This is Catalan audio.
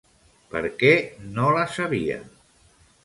Per què no la sabia?